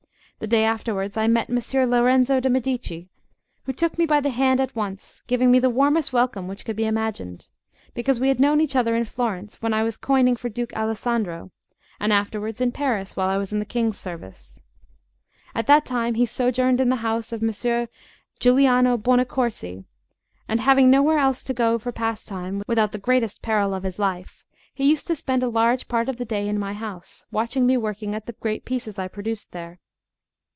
The day afterwards I met Messer Lorenzo de' Medici, who took me by the hand at once, giving me the warmest welcome which could be imagined, because we had known each other in Florence when I was coining for Duke Alessandro, and afterwards in Paris while I was in the King's service. At that time he sojourned in the house of Messer Giuliano Buonaccorsi, and having nowhere else to go for pastime without the greatest peril of his life, he used to spend a large part of the day in my house, watching me working at the great pieces I produced there.